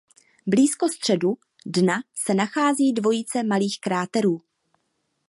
Blízko středu dna se nachází dvojice malých kráterů.